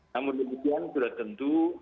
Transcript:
namun demikian sudah tentu